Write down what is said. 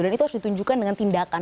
dan itu harus ditunjukkan dengan tindakan